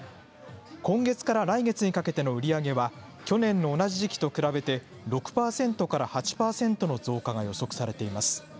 今月から来月にかけての売り上げは去年の同じ時期と比べて、６％から８％の増加が予測されています。